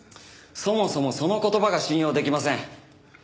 そもそもその言葉が信用できません。